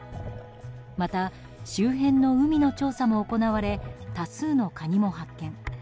また周辺の海の調査も行われ多数のカニも発見。